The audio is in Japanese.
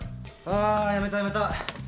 あやめたやめた。